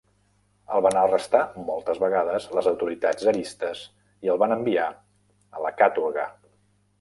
El van arrestar moltes vegades les autoritats tsaristes i el van enviar a la kàtorga.